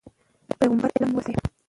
پیغمبر علم وستایه.